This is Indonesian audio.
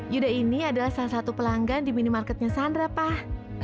yuda ini adalah salah satu pelanggan di minimarketnya sandra pak